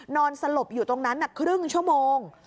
สลบอยู่ตรงนั้นครึ่งชั่วโมง